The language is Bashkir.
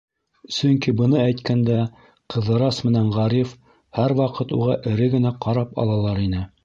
Сөнки быны әйткәндә Ҡыҙырас менән Ғариф һәр ваҡыт уға эре генә ҡарап алалар ине.